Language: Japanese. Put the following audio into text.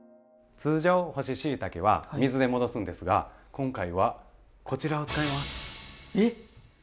通常干ししいたけは水で戻すんですが今回はこちらを使います。